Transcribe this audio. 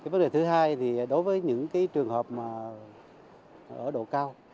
vấn đề thứ hai đối với những trường hợp ở độ cao